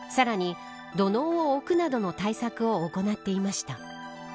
さらに、土のうを置くなどの対策を行っていました。